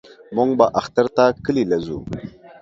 موږ به اختر ته کلي له زو.